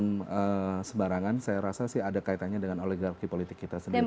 bukan sebarangan saya rasa sih ada kaitannya dengan oligarki politik kita sendiri